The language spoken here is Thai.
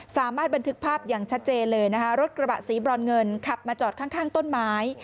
สามารถบันทึกภาพอย่างชัดเจนเลยนะคะรถกระบะสีบรอนเงินขับมาจอดข้างข้างต้นไม้